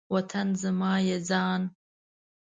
وطن زما یی ځان